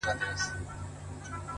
د هر تورى لړم سو ; شپه خوره سوه خدايه;